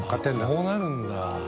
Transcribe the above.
こうなるんだ。